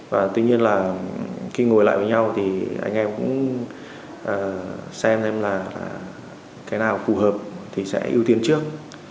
và tuy nhiên là khi ngồi lại với nhau thì anh em cũng xem xem là cái nào phù hợp thì sẽ ưu tiên trước